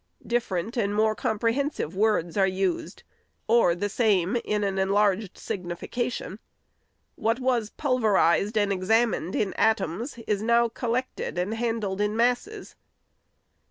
Different and more comprehensive SECOND ANNUAL REPORT. 539 words are used, or the same in an enlarged signification. What was pulverized and examined in atoms is now col lected and handled in masses.